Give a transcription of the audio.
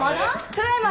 ただいま！